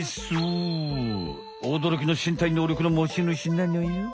おどろきの身体能力の持ちぬしなのよ。